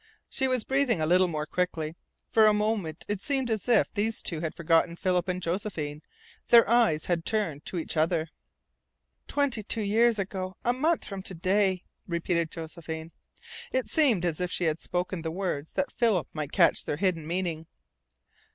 She was breathing a little more quickly. For a moment it seemed as if these two had forgotten Philip and Josephine. Their eyes had turned to each other. "Twenty two years ago A MONTH FROM TO DAY!" repeated Josephine. It seemed as if she had spoken the words that Philip might catch their hidden meaning.